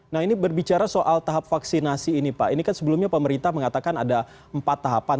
nah ini berbicara soal tahap vaksinasi ini pak ini kan sebelumnya pemerintah mengatakan ada empat tahapan